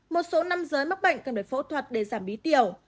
một số năm giới mắc bệnh cần phải phẫu thuật để giảm bí tiểu